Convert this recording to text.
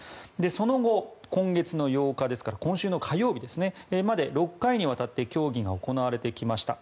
その後、今月８日ですから今週の火曜日までに６回にわたって協議が行われてきました。